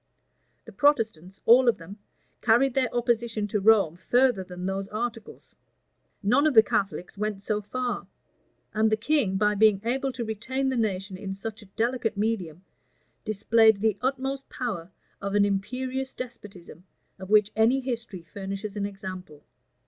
The Protestants, all of them, carried their opposition to Rome further than those articles; none of the Catholics went so far: and the king, by being able to retain the nation in such a delicate medium, displayed the utmost power of an imperious despotism of which any history furnishes an example.